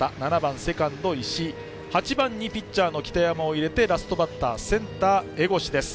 ８番にピッチャーの北山を入れて９番のセンターの江越です。